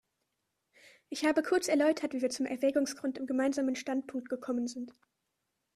Ich habe kurz erläutert, wie wir zum Erwägungsgrund im Gemeinsamen Standpunkt gekommen sind.